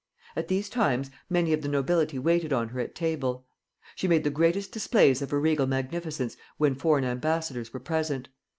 At these times many of the nobility waited on her at table. She made the greatest displays of her regal magnificence when foreign ambassadors were present.